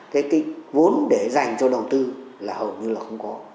cái vốn để dành cho đầu tư là hầu như là không có